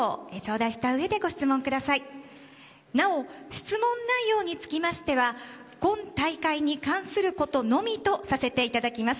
質問内容につきましては今大会に関することのみとさせていただきます。